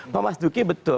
pak mas duki betul